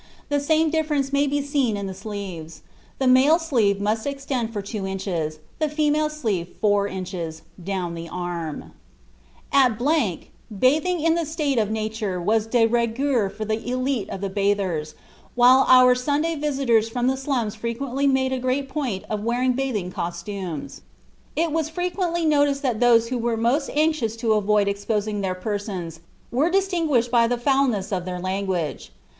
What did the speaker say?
The same difference may be seen in the sleeves; the male sleeve must extend for two inches, the female sleeve four inches, down the arm. (Daily Papers, September 26, 1898.) "At , bathing in a state of Nature was de rigueur for the élite of the bathers, while our Sunday visitors from the slums frequently made a great point of wearing bathing costumes; it was frequently noticed that those who were most anxious to avoid exposing their persons were distinguished by the foulness of their language.